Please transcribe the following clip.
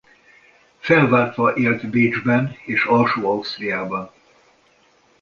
Felváltva élt Bécsben és Alsó-Ausztriában.